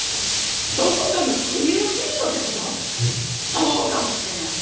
そうかもしれない！